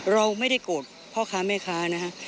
เราไม่ได้โกรธพ่อค้าแม่ค้านะฮะ